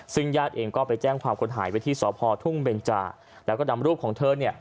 ซึ่งญาติเองก็ไปแจ้งความคนหายไปที่สพทุ่งเบนจาแล้วก็นำรูปของเธอเนี่ย